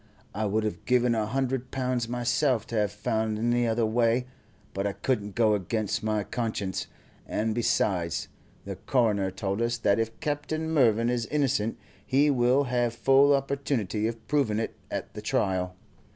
I would have given a hundred pounds myself to have found any other way, but I couldn't go against my conscience; and besides, the coroner told us that if Captain Mervyn is innocent, he will have full opportunity of proving it at the trial.